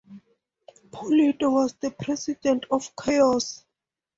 Pulido was the president of Chaos!